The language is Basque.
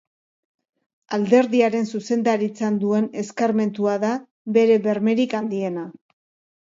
Alderdiaren zuzendaritzan duen eskarmentua da bere bermerik handiena.